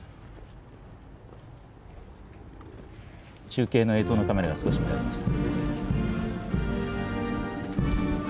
中継の映像のカメラが少し乱れました。